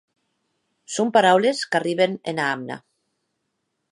Son paraules qu'arriben ena amna.